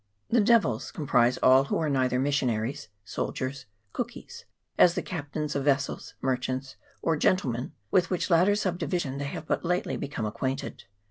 The devils comprise all who are neither mis sionaries, soldiers, cookies, as the captains of vessels, merchants, or gentlemen, with which latter subdivi ' sion they have but lately become acquainted.